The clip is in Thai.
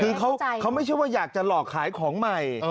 คือเขาไม่ใช่ว่าอยากจะหลอกขายของใหม่